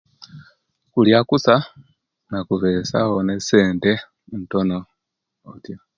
Kulia kusa nokubesawo nesente ntono oti